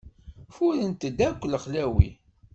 Furren-d akk lexlawi.